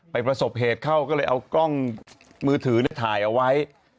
ประสบเหตุเข้าก็เลยเอากล้องมือถือถ่ายเอาไว้